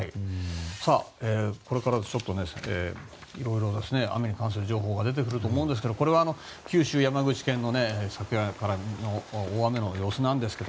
これからいろいろ雨に関する情報が出てくると思うんですけれどもこれは九州や山口県の昨夜からの大雨の様子ですが。